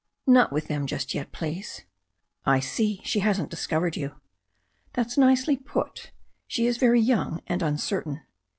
"Not with them just yet, please." "I see. She hasn't discovered you." "That's nicely put. She is very young and uncertain."